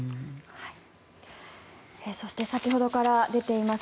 そして先ほどから出ています